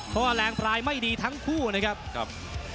เพราะว่าแรงปลายไม่ดีทั้งคู่นะครับ